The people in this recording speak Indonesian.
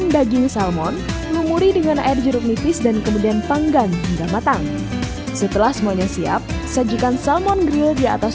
rasa yang fantastis dan nyaman di lidah